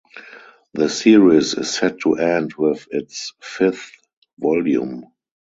The series is set to end with its fifth volume.